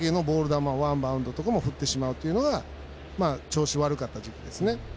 球ワンバウンドとかも振ってしまうというのが調子が悪かった時期ですね。